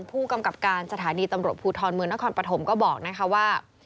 ผู้กำกับการสถานีตำรวจภูทรเมืองนครปฐมก็บอกนะคะว่า